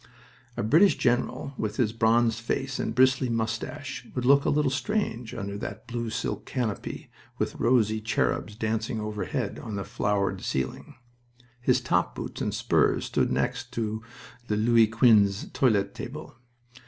A British general, with his bronzed face and bristly mustache, would look a little strange under that blue silk canopy, with rosy cherubs dancing overhead on the flowered ceiling. His top boots and spurs stood next to a Louis Quinze toilet table.